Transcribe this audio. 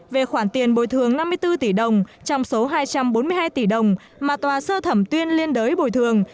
về khoản tiền bồi thường năm mươi bốn tỷ đồng trong số hai trăm bốn mươi hai tỷ đồng mà tòa sơ thẩm tuyên liên đới bồi thường